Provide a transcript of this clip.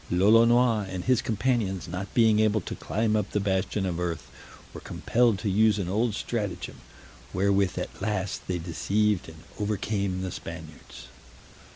Lolonois and his companions not being able to climb up the bastion of earth, were compelled to use an old stratagem, wherewith at last they deceived and overcame the Spaniards.